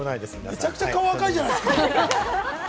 めちゃくちゃ顔、赤いじゃないですか。